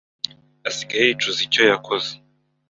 Asigaye yicuza icyo yakoze